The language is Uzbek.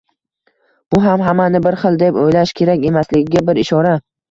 Bu ham hammani bir xil deb oʻylash kerak emasligiga bir ishora.